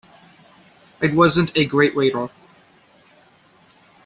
I wasn't a great waiter.